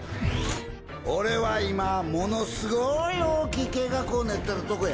俺は今ものすごい大きい計画を練ってるとこや。